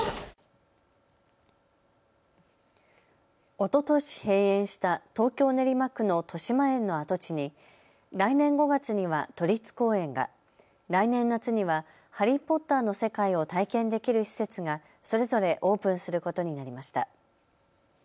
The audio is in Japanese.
おととし閉園した東京練馬区のとしまえんの跡地に来年５月には都立公園が、来年夏にはハリー・ポッターの世界を体験できる施設がそれぞれオープンすることになりました。